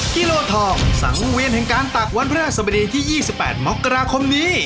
กิโลทองสังเวียนแห่งการตักวันพระราชสมดีที่๒๘มกราคมนี้